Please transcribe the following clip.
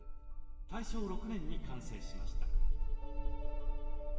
大正６年に完成しました。